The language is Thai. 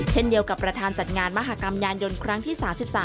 เช่นเดียวกับประธานจัดงานมหากรรมยานยนต์ครั้งที่๓๓